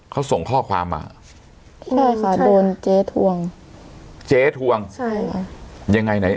เขาส่งข้อความมาใช่ค่ะโดนเจ๊ทวงเจ๊ทวงใช่ค่ะยังไงไหน